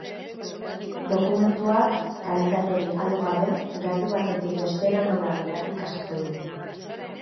Dokumentuak, kalitaterik galdu gabe, gailu batetik bestera nola bidali ikasiko dugu.